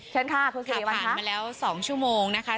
เชิญค่ะครับถามมาแล้วสองชั่วโมงนะคะ